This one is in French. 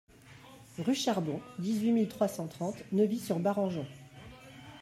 Rue Charbon, dix-huit mille trois cent trente Neuvy-sur-Barangeon